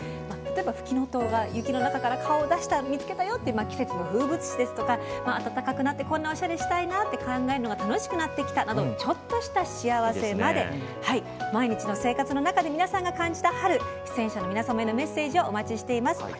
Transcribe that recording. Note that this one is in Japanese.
例えば、ふきのとうが雪の中から顔を出した見つけたよという風物詩暖かくなっておしゃれをしたいなと考えるのが楽しくなってきたなどちょっとした幸せなど毎日の生活の中で皆さんが感じた春、出演者の皆様へのメッセージ募集しています。